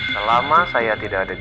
selama saya tidak ada di